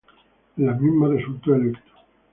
En las mismas resultó electo.